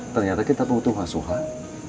ternyata kita butuh hasuhan